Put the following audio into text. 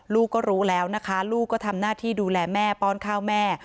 ลูกก็รู้แล้วนะคะลูกก็ทำหน้าที่ดูแลแม่ป้อนข้าวแม่